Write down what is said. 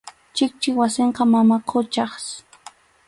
Chikchip wasinqa mama Quchas.